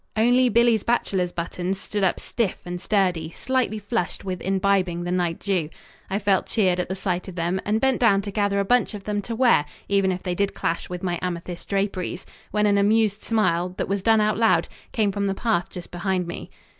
Only Billy's bachelor's buttons stood up stiff and sturdy, slightly flushed with imbibing the night dew. I felt cheered at the sight of them, and bent down to gather a bunch of them to wear, even if they did clash with my amethyst draperies, when an amused smile, that was done out loud, came from the path just behind me.